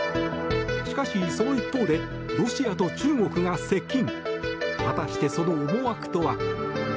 しかし、その一方でロシアと中国が接近。